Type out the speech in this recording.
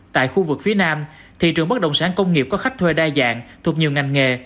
tại khu vực phía nam thị trường bất động sản công nghiệp có khách thuê đa dạng thuộc nhiều ngành nghề